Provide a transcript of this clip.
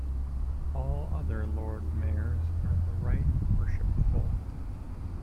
All other Lord Mayors are The Right Worshipful.